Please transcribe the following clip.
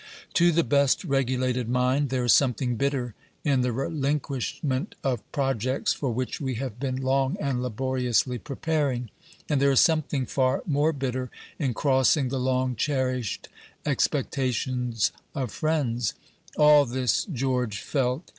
To the best regulated mind there is something bitter in the relinquishment of projects for which we have been long and laboriously preparing, and there is something far more bitter in crossing the long cherished expectations of friends. All this George felt.